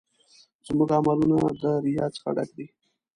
زموږ عملونه د ریا څخه ډک دي.